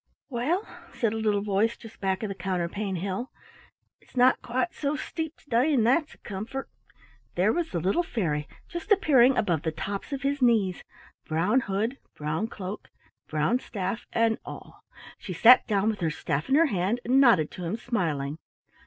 "Well," said a little voice just back of the counterpane hill, "it's not quite so steep to day, and that's a comfort." There was the little fairy just appearing above the tops of his knees, — brown hood, brown cloak, brown staff, and all. She sat down with her staff in her hand and nodded to him, smiling.